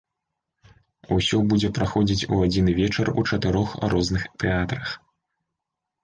Усё будзе праходзіць у адзін вечар у чатырох розных тэатрах.